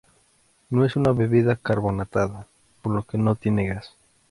No es una bebida carbonatada, por lo que no tiene gas.